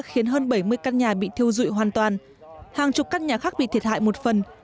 khiến hơn bảy mươi căn nhà bị thiêu dụi hoàn toàn hàng chục căn nhà khác bị thiệt hại một phần